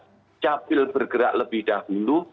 dukcapil bergerak lebih dahulu